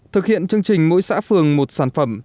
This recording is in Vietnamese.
thực hiện chương trình mỗi xã phường một sản phẩm